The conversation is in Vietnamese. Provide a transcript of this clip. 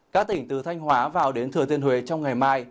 các tỉnh từ thanh hóa vào đến thừa thiên huế trong ngày mai